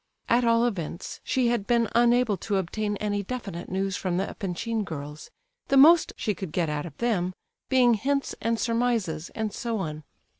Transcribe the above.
At all events, she had been unable to obtain any definite news from the Epanchin girls—the most she could get out of them being hints and surmises, and so on.